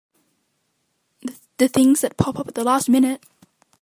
The things that pop up at the last minute!